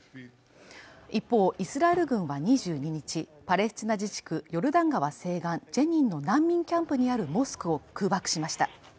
一方、イスラエル軍は２２日、パレスチナ自治区ヨルダン川西岸ジェニンの難民キャンプにあるモスクを空爆しました。